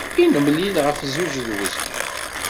I nemlil ɣef zzuj ed wezgen?